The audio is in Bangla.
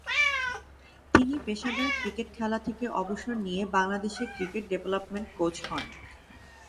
তিনি পেশাদার ক্রিকেট খেলা থেকে অবসর নিয়ে বাংলাদেশের ক্রিকেট ডেভেলপমেন্ট কোচ হন।